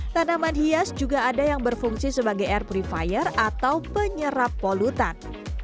tanaman hias juga ada yang berfungsi sebagai air purifier atau penyerap polutan